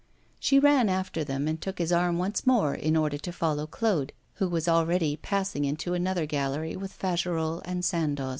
She ran after them, and took his arm once more in order to follow Claude, who was already passing into another gallery with Fagerolles and Sandoz.